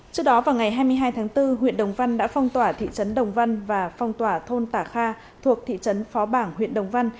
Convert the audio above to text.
trước đó vào ngày hai mươi hai tháng bốn huyện đồng văn đã phong tỏa thị trấn đồng văn và phong tỏa thôn tả kha thuộc thị trấn phó bảng huyện đồng văn